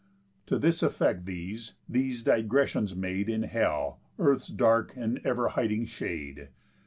To this effect these these digressions made In hell, earth's dark and ever hiding shade.